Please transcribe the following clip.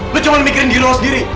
kamu cuma mikirin diri kamu sendiri